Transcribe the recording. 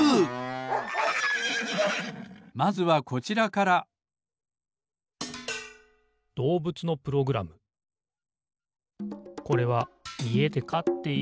ほんじつはまずはこちらからこれはいえでかっているトカゲ。